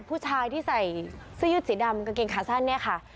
ผู้ชายที่ใส่เสื้อยืดสีดำกางเกงขาสั้นเนี่ยค่ะ